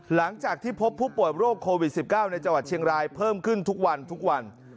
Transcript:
หลังจากที่พบผู้ป่วยโรคโควิด๑๙ในจังหวัดเชียงรายเพิ่มขึ้นทุกวันทุกวัน